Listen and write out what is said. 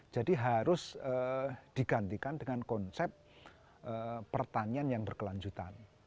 jadi harus digantikan dengan konsep pertanian yang berkelanjutan